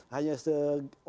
hanya oligarki itu